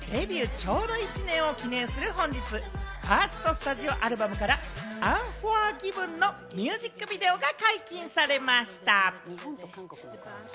ちょうど１年を記念する本日、ファーストスタジオアルバムから『ＵＮＦＯＲＧＩＶＥＮ』のミュージックビデオが解禁されました。